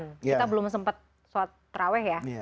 kita belum sempat sholat terawih ya